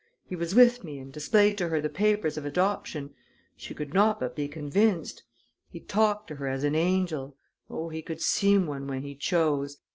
He was with me, and displayed to her the papers of adoption. She could not but be convinced. He talked to her as an angel oh, he could seem one when he chose!